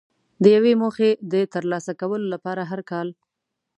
د یوې موخې د ترلاسه کولو لپاره هر کال.